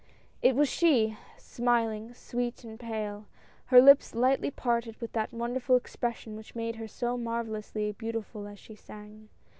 It was she, smiling, sweet and pale ; her lips lightly parted with that wonderful expression which made her so marvellously beautiful as she sang.